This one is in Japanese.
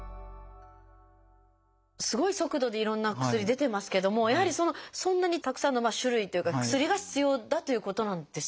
すごい速度でいろんな薬出てますけどもやはりそんなにたくさんの種類というか薬が必要だということなんですよね。